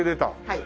はい。